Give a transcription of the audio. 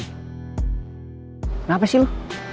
kenapa sih lo